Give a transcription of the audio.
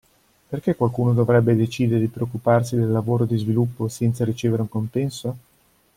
Perché qualcuno dovrebbe decidere di preoccuparsi del lavoro di sviluppo senza ricevere un compenso?